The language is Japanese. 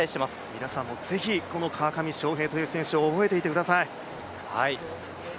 皆さんもぜひこの川上翔平という選手を覚えていてください。